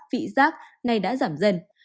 vị giác nay đã giảm dần